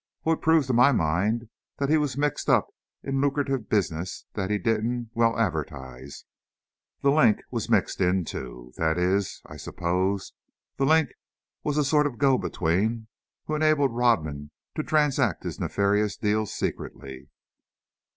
"Oh, it proves to my mind that he was mixed up in lucrative business that he didn't well advertise. 'The Link' was mixed in, too. That is, I suppose, 'The Link' was a sort of go between, who enabled Rodman to transact his nefarious deals secretly."